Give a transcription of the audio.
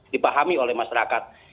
dipahami oleh masyarakat